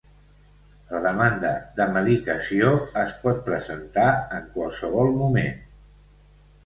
La demanda de mediació es pot presentar en qualsevol moment.